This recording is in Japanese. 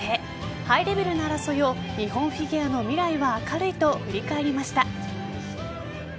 ハイレベルな争いを日本フィギュアの未来は明るいと振り返りました。